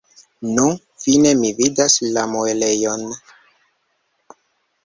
Nu, fine mi vidas la muelejon!